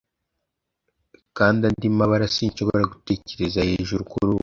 Kandi andi mabara sinshobora gutekereza hejuru kurubu